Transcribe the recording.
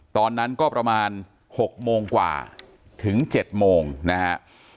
ตอนนั้นก็ประมาณ๖โมงกว่าถึง๗โมงนะฮะ